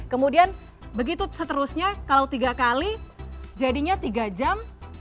kemudian begitu seterusnya kalau tiga kali jadinya tiga jam